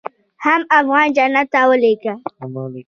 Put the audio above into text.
حم افغان جنت ته ولېږه.